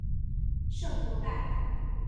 圣博代。